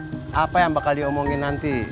siapa yang bakal diomongin nanti